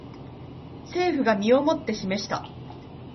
政府が身をもって示した